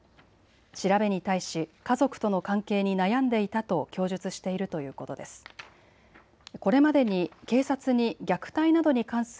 調べに対し家族との関係に悩んでいたと供述しているということです。